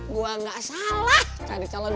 gua nggak salah cari calon gini